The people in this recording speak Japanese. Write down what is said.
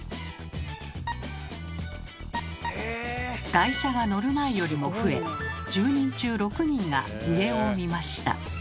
台車が乗る前よりも増え１０人中６人が上を見ました。